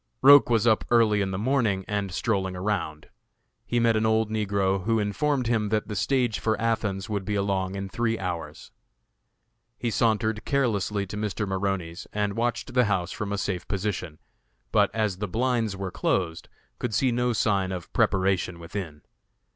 Roch was up early in the morning and strolling around. He met an old negro who informed him that the stage for Athens would be along in three hours. He sauntered carelessly to Mr. Maroney's, and watched the house from a safe position, but, as the blinds were closed, could see no signs of preparation within.